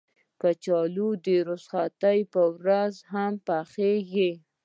کچالو د رخصتۍ په ورځ هم پخېږي